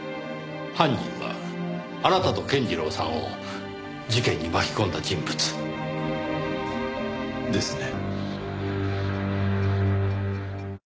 犯人はあなたと健次郎さんを事件に巻き込んだ人物。ですね。